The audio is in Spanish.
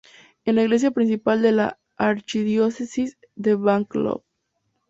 Es la iglesia principal de la archidiócesis de Bangkok.